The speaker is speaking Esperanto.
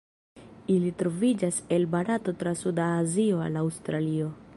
Ili troviĝas el Barato tra suda Azio al Aŭstralio.